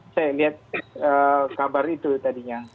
saya lihat kabar itu tadinya